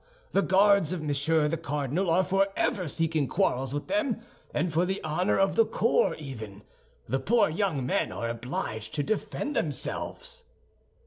The Guards of Monsieur the Cardinal are forever seeking quarrels with them, and for the honor of the corps even, the poor young men are obliged to defend themselves."